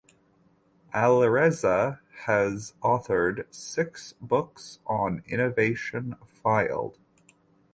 Alireza has authored six books on innovation filed.